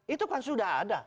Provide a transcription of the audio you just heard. itu kan sudah ada